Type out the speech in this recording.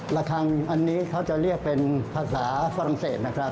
ระคังอันนี้เขาจะเรียกเป็นภาษาฝรั่งเศสนะครับ